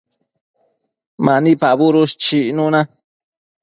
Mani pabudush chicnuna